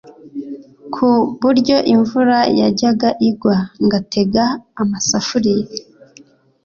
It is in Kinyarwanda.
ku buryo imvura yajyaga igwa ngatega amasafuriya